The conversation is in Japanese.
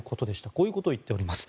こういうことを言っています。